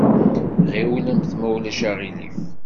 Ɣiwlemt ma ulac aɣilif!